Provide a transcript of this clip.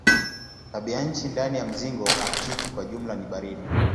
Tabianchi ndani ya mzingo aktiki kwa jumla ni baridi.